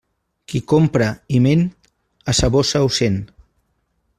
Qui compra i ment, a sa bossa ho sent.